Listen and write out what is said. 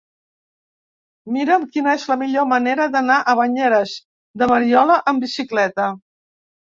Mira'm quina és la millor manera d'anar a Banyeres de Mariola amb bicicleta.